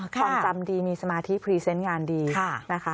ความจำดีมีสมาธิพรีเซนต์งานดีนะคะ